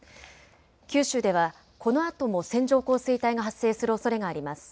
九州ではこのあとも線状降水帯が発生するおそれがあります。